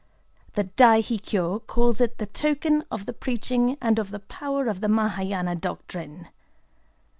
The Dai hi kyō calls it the token of the preaching and of the power of the Mahayana doctrine.